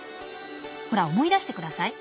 ほら思い出してください。